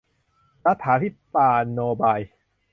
รัฏฐาภิปาลโนบาย